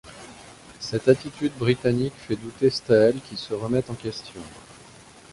Cette attitude britannique fait douter Staël qui se remet en question.